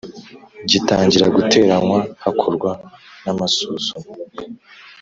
gitangira guteranywa, hakorwa n’amasuzuma